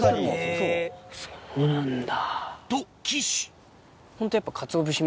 そうなんだ。